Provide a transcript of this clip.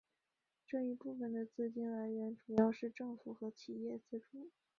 这一部分的资金来源主要是政府和企业资助。